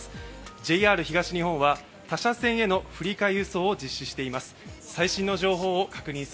ＪＲ東日本は他社線への振り替えをしています。